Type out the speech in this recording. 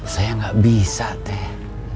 saya gak bisa teh